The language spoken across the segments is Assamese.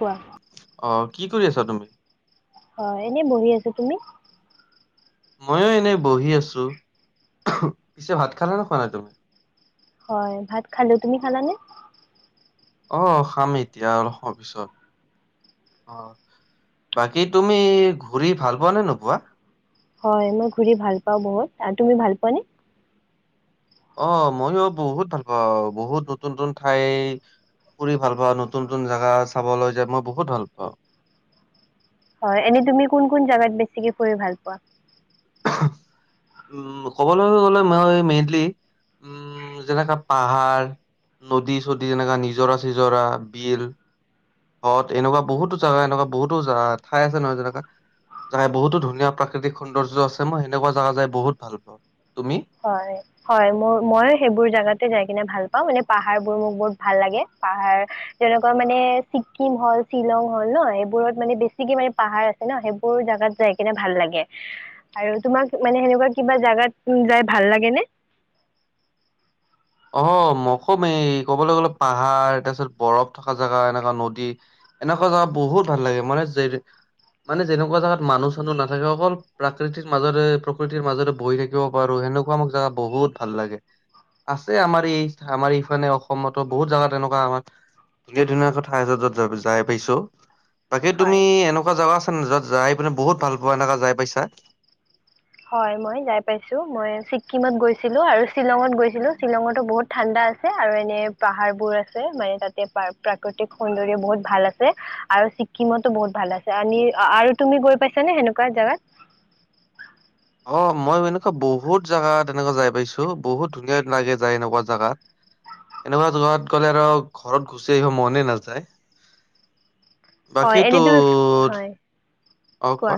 কোৱা। অ কি কৰি আছা তুমি। হয় এনেই বহি আছো তুমি। মইয়ো এনেই বহি আছো পিছে ভাত খালে ন খোৱা নাই তুমি। হয় ভাত খালো তুমি খালানে। অ খাম এতিয়া পিছত অ বাকী তুমি ঘূৰি ভাল পোৱা নে নোপোৱা। হয় মই ঘুৰি ভাল পাওঁ বহুত আৰু তুমি ভাল পোৱানে। অ মইয়ো বহুত ভাল পাওঁ বহুত নতুন নতুন ঠাই ফুৰি ভাল পাওঁ নতুন নতুন জাগা চাবলৈ যাই মই বহুত ভাল পাওঁ। হয় এনেই তুমি কোন কোন জাগাত বেছিকে ফুৰি ভাল পোৱা। উম ক'বলৈ গলে মই মেইনলি উম যেনেকা পাহাৰ নদী চদী যেনেকা নিজৰা চিজৰা বিল। হয় এনেকুৱা বহুতো জাগা এনেকুৱা বহুতো ঠাই আছে নহয় যেনেকুৱা জাগাই বহুতো ধুনীয়া প্ৰাকৃতিক সৌন্দৰ্য্য আছে মই সেনেকুৱা জাগা যাই বহুত ভাল পাওঁ তুমি। হয় হয় মোৰ মই সেইবোৰ জাগাতে যাই কিনে ভাল পাও মানে পাহাৰবোৰ মোক বহুত ভাল লাগে পাহাৰ তেনেকুৱা মানে ছিকিম হল শ্বিলং হল ন সেইবোৰত মানে বেছিকে মানে পাহাৰ আছে ন সেইবোৰ জাগাত যাই কিনে ভাল লাগে আৰু তোমাক মানে সেনেকুৱা কিবা জাগাত। ভাল লাগেনে। অ ম কমেই কবলৈ গলে পাহাৰ তাৰপিছত বৰফ থকা জাগা এনেকুৱা নদী এনেকুৱা জাগা বহুত ভাল লাগে মানে যে মানে যেনেকুৱা জাগাত মানুহ চানুহ নাথাকে অকল প্ৰাকৃতিৰ মাজৰে প্ৰকৃতিৰ মাজৰে বহি থাকিব পাৰো সেনেকুৱা মোক জাগা বহুত ভাল লাগে। আছে আমাৰ এই আমাৰ ইফালে অসমতো বহুত জাগাত তেনেকুৱা আমাৰ ধুনীয়া ধুনীয়া ঠাই যত য যাই পাইছো। বাকী হয় তুমি এনেকুৱা জাগা আছে যত। যাই পিনে বহুত ভাল পোৱা এনেকা যাই পাইছা। হয় মই যায় পাইছোঁ ছিকিমত গৈছিলো আৰু শ্বিলঙত গৈছিলো শ্বিলঙতো বহুত ঠাণ্ডা আছে আৰু এনে পাহাৰবোৰ আছে মানে তাতে প্ৰাকৃতিক সৌন্দৰ্য্য বহুত ভাল আছে আৰু ছিকিমতো বহুত ভাল আছে আনি আৰু তুমি গৈ পাইছানে সেনেকুৱা জাগাত। অ মই এনেকুৱা বহুত জাগাত এনেকুৱা যাই পাইছো বহুত ধুনীয়া লাগে যায় এনেকুৱা জাগাত এনেকুৱা জাগাত গলে আৰু ঘৰত গুচি আহিব মনে নাযায়। হয় বাকীটো এনেতো হয় অ কোৱা।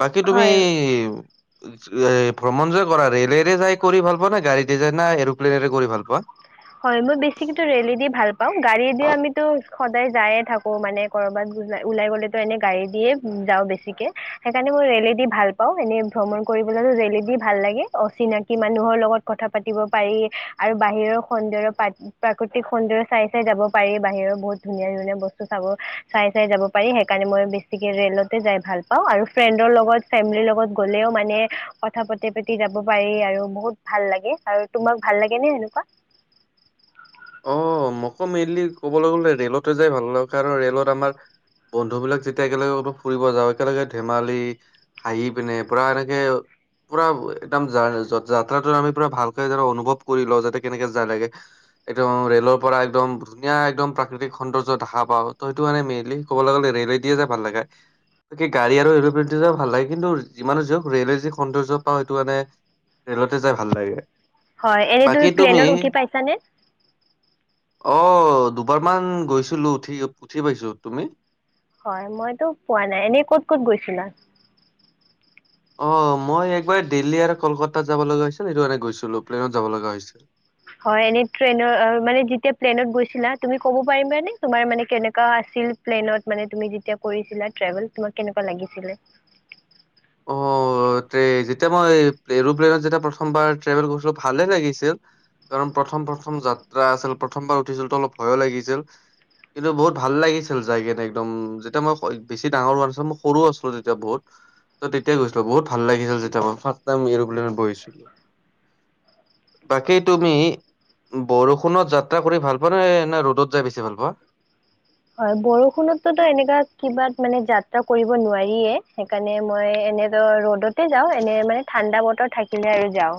বাকী তুমি। হয় ভ্ৰমণ যে কৰা ৰেলেৰে যাই কৰি ভাল পোৱা ন গাড়ীতে যাই না এৰপ্লেনেৰে কৰি ভাল পোৱা। হয় মই বেছিকেতো ৰেলেদি ভাল পাওঁ গাড়ীদি আমিতো। সদায় যায়ে থাকো মানে কৰবাত ওলাই গলেতো এনে গাড়ী দিয়ে যাওঁ বেছিকে সেইকাৰণে মই ৰেলেদি ভাল পাওঁ এনে ভ্ৰমণ কৰিবলৈ ৰেলেদি ভাল লাগে অচিনাকি মানুহৰ লগত কথা পাতিব পাৰি আৰু বাহিৰৰ। সৌন্দ্যৰ প্ৰাকৃতিক সৌন্দৰ্য্য চাই চাই যাব পাৰি বাহিৰৰ বহুত ধুনীয়া ধুনীয়া বস্তু চাব চাই চাই যাব পাৰি সেইকাৰণে মই বেছিকে ৰেলতে যাই ভাল পাওঁ আৰু ফ্ৰেণ্ডৰ লগত ফেমিলিৰ লগত গ'লেও মানে কথা পাতি পাতি যাব পাৰি আৰু বহুত ভাল লাগে আৰু তোমাক ভাল লাগেনে সেনেকুৱা। অ মকৌ মেইনলি কবলৈ গলে ৰে'লতে যাই ভাল লাগে কাৰণ ৰেলত আমাৰ বন্ধু বিলাক যেতিয়া একেলগে ফুৰিব যাওঁ একেলগে ধেমালি হাঁহি পিনে পুৰা এনেকে পুৰা একদম যাত্ৰাটো আমি পৰা ভালকে অনুভৱ কৰি লও যাতে কেনেকে যাই লাগে এইটো ৰেলৰ পৰা একদম ধুনীয়া একদম প্ৰাকৃতিক সৌন্দৰ্য দেখা পাওঁ ত সেইটো মানে মেইনলি ক'বলৈ গ'লে ৰেলদিয়ে যাই ভাল লাগে গাড়ী আৰু এৰপ্লেন দি যাই ভাল লাগে কিন্তু যিমান যওক ৰেলেৰ যি সৌন্দৰ্য পা সেইটো মানে ৰেলতে যাই ভাল লাগে হয় এনেই তুমি প্লেনত উঠি পাইছানে অ দুবাৰ মান গৈছিলো উঠি উঠি পাইছো তুমি হয় মইতো পোৱা নাই এনেই ক'ত ক'ত গৈছিলা অ মই একবাৰ দিল্লী আৰু কলকতাত যাব লগা হৈছিল সেইটো কাৰণে গৈছিলো প্লেনত যাব লগা হৈছিল হয় এনে ট্ৰেইনত মানে যেতিয়া প্লেনত গৈছিলা তুমি ক'ব পাৰিবানে তোমাৰ মানে কেনেকা আছিল প্লেনত মানে তুমি যেতিয়া কৰিছিলা ট্ৰেভেল তোমাক কেনেকুৱা লাগিছিলে অ', যেতিয়া মই এৰোপ্লেইনত যেতিয়া প্ৰথমবাৰ ট্ৰেভেল কৰিছিলো ভালে লাগিছিল কাৰণ প্ৰথম প্ৰথম যাত্ৰা আছিল প্ৰথমবাৰ উঠিছিলো তো অলপ ভয় লাগিছিল কিন্তু বহুত ভালো লাগিছিল যাই কিনে একদম যেতিয়া মই বেছি ডাঙৰ হোৱা নাছলো মই সৰুও আছিলো তেতিয়া বহুত ত' তেতিয়াই গৈছিলো বহুত ভাল লাগিছিল যেতিয়া মই ফাৰ্চ টাইম এৰোপ্লেনত বহিছিলো বাকী তুমি বৰষুণত যাত্ৰা কৰি ভাল পোৱা নে নে ৰ'দত যাই বেছি ভাল পোৱা হয় বৰষুণতো এনেকুৱা কিবা মানে যাত্ৰা কৰিব নোৱাৰিয়ে সেইকাৰণে মই এনেট ৰ'দত ৰদতেযাওঁ এনে মানে ঠাণ্ডা বতৰ থাকিলে আৰু যাওঁ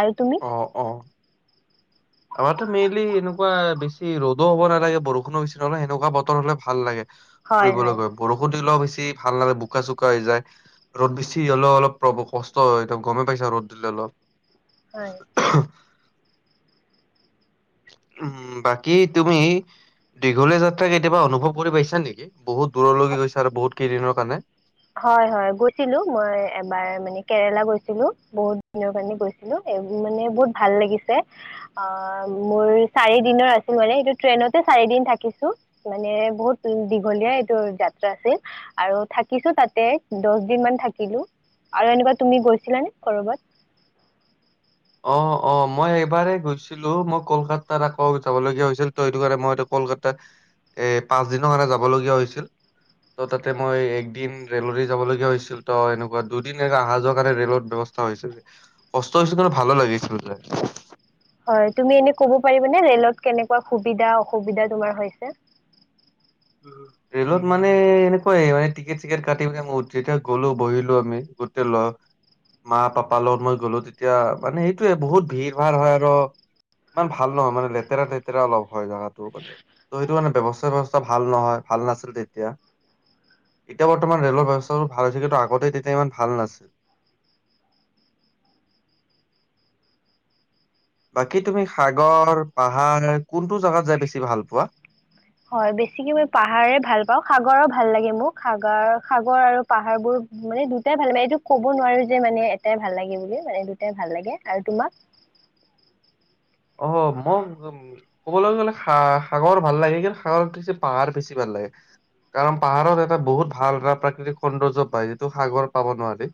আৰু তুমি অ', অ'। আমাৰতো মেইনলি এনেকুৱা বেছি ৰদো হ'ব নালাগে বৰষুণো বেছি নহলে সেনেকুৱা বতৰ হলে ভাল লাগে হয় ফুৰিবলৈ হয় গৈ বৰষুণ দিলে বেছি বেছি ভাল নালাগে বোকা চোকা হৈ যায় ৰ'দ বেছি হ'লেও অলপ কষ্ট হয় গমেই পাইছা ৰ'দ দিলে অলপ হয় উম বাকী তুমি দীঘলীয়া যাত্ৰা কেতিয়াবা অনুভৱ কৰি পাইছা নেকি বহুত দূৰলৈকে গৈছা আৰু বহুত কেইদিনৰ কাৰণে হয় হয় গৈছিলো মই এবাৰ মানে কেৰেলা গৈছিলো বহুত দিনৰ কাৰণে গৈছিলো মানে বহুত ভাল লাগিছে অ মোৰ চাৰি দিনৰ আছিল মানে এইটো ট্ৰেইনতে চাৰি দিন থাকিছো মানে বহুত দীঘলীয়া এইটো যাত্ৰা আছিল আৰু থাকি কিছু তাতে দহ দিন মান থাকিলো আৰু এনেকুৱা তুমি গৈছিলানে কৰবাত অ অ মই এইবাৰেই গৈছিলো মই কলকাতাত আকৌ যাব লগীয়া হৈছিল ত সেইটো কাৰণে মইতো কলকাতত এ পাঁচ দিনৰ কাৰণে যাব লগীয়া হৈছিল ত' তাতে মই একদিন ৰেলৰে যাব লগীয়া হৈছিল ত এনেকুৱা দুদিন অহা যোৱা কাৰণে ৰে'লৰ ব্যৱস্থা হৈছিল কষ্ট হৈছিল ভালো লাগিছিল য়াই হয় তুমি এনে ক'ব পাৰিবানে ৰেলত কেনেকুৱা সুবিধা অসুবিধা তোমাৰ হৈছে ৰেলত মানে এনেকুৱাই মানে টিকেট চিকেট কাটি পনে মই যেতিয়া গ'লো বহিলো আমি গোটেই লৰা মা পাপাৰ লগত মই গ'লো তেতিয়া মানে সেইটোয়ে বহুত ভিৰ ভাৰ হয় আৰু ইমান ভাল নহয় মানে লেতেৰা লেতেৰা অলপ হয় জেগাটো মানে ত সেইটো মানে ব ব্যৱস্থাৱা ভাল নহয় ভাল নাছিল তেতিয়া এতিয়া বৰ্তমান ৰেলৰ ব্যৱস্থাবোৰ ভাল হৈছে কিন্তু আগতে তেতিয়া ইমান ভাল নাছিল বাকী তুমি সাগৰ পাহাৰ কোনটো জাগাত যাই বেছি ভাল পোৱা হয় বেছিকে মই পাহাৰে ভাল পাওঁ সাগৰো ভাল লাগে মোক সাগৰ সাগৰ আৰু পাহাৰবোৰ মানে দুটাই ভাল লাগে এইটো কব নোৱাৰো যে মানে এটাই ভাল লাগে বুলি মানে দুটাই ভাল লাগে আৰু তোমাক অ মোক কবলৈ গলে সাগৰ ভাল লাগে কিন্তু সাগৰতকৈ পাহাৰ বেছি ভাল লাগে কাৰণ পাহাৰত এটা বহুত ভাল এটা প্ৰাকৃতিক সৌন্দৰ্য পায় যিটো সাগৰ পাব নোৱাৰি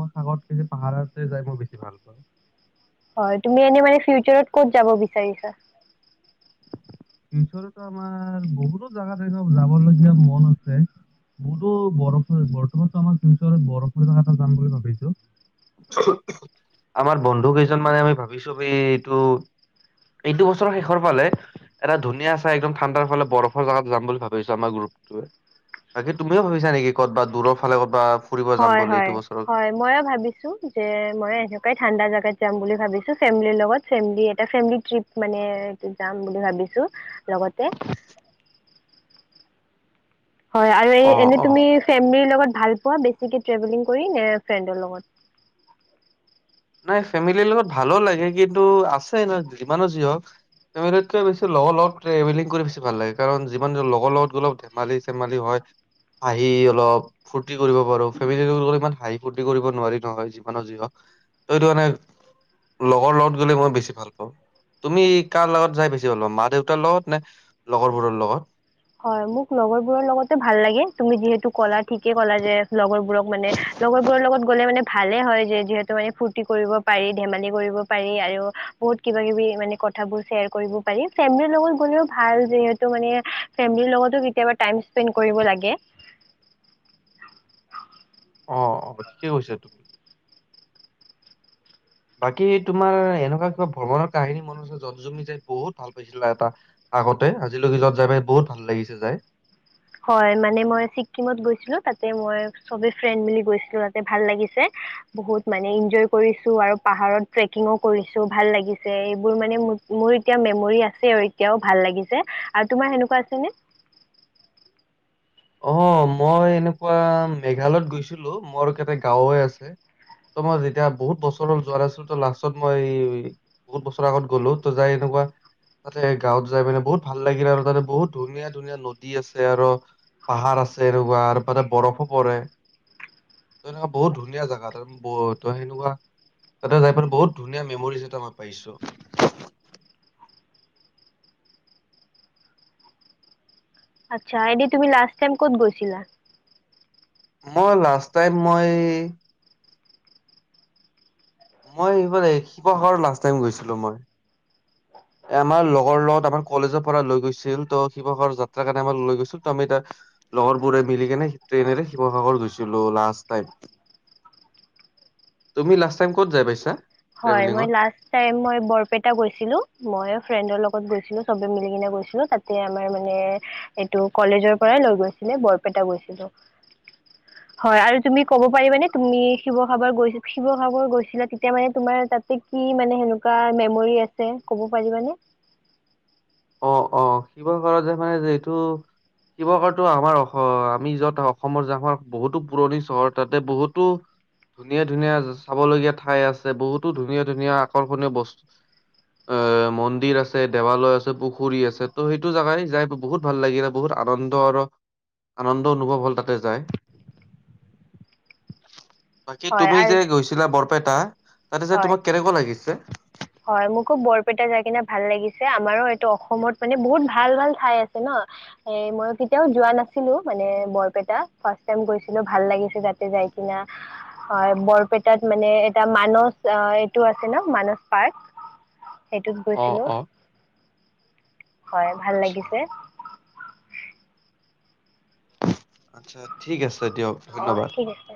মই সাগৰত পাহাৰ যাই মোৰ বেছি ভাল পাও হয় তুমি এনে মানে ফিউচাৰত ক'ত যাব বিচাৰিছা ইমফল আমাৰ বহুতো জাগা যাবলগীয়া মন আছে মোৰোতো বৰফ বৰ্তমানতো আমাৰ শিলচৰত বৰফ পৰিলে যাম বুলি ভাবিছো আমাৰ বন্ধু কেইজন মানে আমি ভাবিছো এই এইটো এইটো বছৰৰ শেষৰ ফালে এটা ধুনীয়া চাই একদম ঠাণ্ডাৰ ফালে বৰফৰ জেগাত যাম বুলি ভাবিছো আমাৰ গ্ৰুপটোৱে বাকী তুমিও ভাবিছা নেকি কত বা দূৰ ফালে ক'তবা ফুৰিব যাম হয় বুলি হয় এইটো বছৰত? হয় মই ভাবিছো যে মই এনেকুৱাই ঠাণ্ডা জেগাত যাম বুলি ভাবিছো ফেমিৰ লগত ফেমলি এটা ফেমলি ট্ৰিপ মানে টো যাম বুলি ভাবিছো লগতে হয় আৰু এই অ', এনেই অ'। তুমি ফেমিলিৰ লগত ভাল পোৱা বেছিকে ট্ৰেভেলিং কৰি নে ফ্ৰেণ্ডৰ লগত নাই ফেমিলিৰ লগত ভালো লাগে কিন্তু আছে ন যিমানো যি হক ফেমেলিকৈ বেছি লগৰ লগত ট্ৰেভেলিং কৰি বেছি ভাল লাগে কাৰণ যিমান লগৰ লগত গলে অলপ ধেমালি চেমালি হয় হাঁহি অলপ ফূতি কৰিব পাৰো ফেমেলিৰ লগত গলে ইমান হাঁহি ফূৰ্তি কৰিব নোৱাৰি নহয় যিমানো যি হক সেইকাৰণে লগৰ লগত গ'লে মই বেছি ভাল পাওঁ তুমি কাৰ লগত যাই বেছি ভাল পাওঁ মা দেউতাৰ লগত নে লগৰবোৰলগত হয় মোক লগবোৰৰ লগতেই ভাল লাগে তুমি যিহেতু কলা ঠিকে কলা যে লগবোৰক মানে লগৰ বোৰ লগত গলে মানে ভালে হয় যিহে যিহেতু ৰ্ফুতি কৰিব পাৰি ধেমালি কৰিব পাৰি আৰু বহুত কিবা কিবি মানে কথাবোৰ চেয়াৰ কৰিব পাৰি ফেমলি লগত গলেও ভাল যিহেতু মানে ফেমিলিৰ লগতো কেতিয়াবা টাইম স্পেন্ড কৰিব লাগে অ অ ঠিকেই কৈছে তুমি বাকী তোমাৰ এনেকুৱা কিবা ভ্ৰমণৰ কাহিনী মন আছে যত জুমি যাই বহুত ভাল পাইছিলা এটা আগতে আজিলৈকে যত যাই পাই বহুত ভাল লাগিছে যাই হয় মানে মই ছিকিমত গৈছিলোঁ তাতে মই ছবেই ফ্ৰেণ্ড মিলি গৈছিলোঁ তাতে ভাল লাগিছে বহুত মানে ইঞ্জয় কৰিছো আৰু পাহাৰত ট্ৰেকিং ও কৰিছো ভাল লাগিছে এইবোৰ মানে মোৰ এতিয়া মেমৰী আছে আৰু এতিয়াও ভাল লাগিছে আৰু তোমাৰ সেনেকুৱা আছেনে? অ মই এনেকুৱা মেঘালয়ত গৈছিলো মোৰ কাতে গাঁওবে আছে ত মই যেতিয়া বহুত বছৰ যোৱা আছিলো ত লাষ্টত মই বহুত বছৰৰ আগত গলো ত যাই এনেকুৱা তাতে গাঁৱত যাই মানে বহুত ভাল লাগিল আৰু তাতে বহুত ধুনীয়া ধুনীয়া নদী আছে আৰু পাহাৰ আছে এনেকুৱা আৰু তাতে বৰফো পৰে ত এনেকুৱা বহুত ধুনীয়া জেগা ত ব ত সেনেকুৱা তাতে যাই প বহুত ধুনীয়া মেমৰিজ এটা মই পাইছো আচ্ছা এনে তুমি লাষ্ট টাইম ক'ত গৈছিলা? মই লাষ্ট টাইম মই মই এইবাৰ শিৱসাগৰ লাষ্ট টাইম গৈছিলো মই আমাৰ লগৰ লগত আমাৰ কলেজৰ পৰা লৈ গৈছিল ত শিৱসাগৰ যাত্ৰা কাৰণে আমাৰ লৈ গৈছিল ত আমি তাৰ লগৰবোৰে মিলি কেনে ট্ৰেইনেৰে শিৱসাগৰ গৈছিলো লাষ্ট টাইম তুমি লাষ্ট টাইম কত যাই পাইছা? হয় মই ট্ৰেভেলিঙত? লাষ্ট টাইম মই বৰপেতা গৈছিলোঁ মই ফ্ৰেণ্ডৰ লগত গৈছিলো চবে মিলি কিনে গৈছিলো তাতে আমাৰ মানে এইটো কলেজৰ পৰাই লৈ গৈছিলে বৰপেটা গৈছিলো হয় আৰু তুমি ক'ব পাৰিবানে তুমি শিৱসাগৰ গ শিৱসাগৰ গৈছিলা তেতিয়া মানে তোমাৰ তাতে কি মানে সেনেকুৱা মেমৰি আছে ক'ব পাৰিবানে? অ অ শিৱসাগৰৰ যে মানে যিটো শিৱসাগৰটো আমাৰ অসম আমি যত অসমৰ যে আমাৰ বহুতো পুৰণি চহৰ তাতে বহুতো ধুনীয়া ধুনীয়া চাবলগীয়া ঠাই আছে বহুতো ধুনীয়া ধুনীয়া আকৰ্ষণীয় বস্তু এ মন্দিৰ আছে দেৱালয় আছে পুখুৰী আছে ত' সেইটো জেগালে যাই বহুত ভাল লাগিলে বহুত আনন্দ আৰু আনন্দ অনুভৱ হ'ল তাতে যায় বাকী হয় তুমি আৰু যে গৈছিলা বৰপেটা তাতে যে হয়। তোমাক কেনেকুৱা লাগিছে? হয় মোকো বৰপেটা যাই কিনে ভাল লাগিছে আমাৰো এইটো অসমত মানে বহুত ভাল ভাল ঠাই আছে ন এ মই কেতিয়াও যোৱা নাছিলো মানে বৰপেটা ফাৰ্ষ্ট টাইম গৈছিলো ভাল লাগিছে তাতে যাই কিনে হয় বৰপেটাত মানে এটা মানস এইটো আছে ন মানস পাৰ্ক অ', সেইটোত অ', গৈছিলো হয় ভাল আচ্ছা, লাগিছে আত্ছা ঠিক আছে তেতিয়াক অ ধন্যবাদ ঠিক আছে।